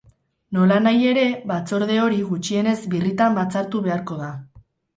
Nolanahi ere, batzorde hori gutxienez birritan batzartu beharko da.